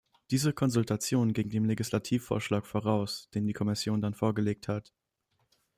Diese Konsultation ging dem Legislativvorschlag voraus, den die Kommission dann vorgelegt hat.